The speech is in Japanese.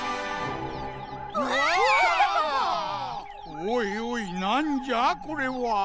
おいおいなんじゃこれは？